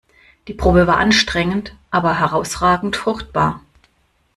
Die Probe war anstrengend, aber herausragend fruchtbar.